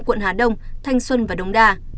quận hà đông thanh xuân và đông đa